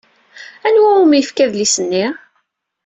Anwa umi yefka adlis-nni?